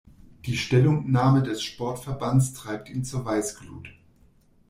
Die Stellungnahme des Sportverbands treibt ihn zur Weißglut.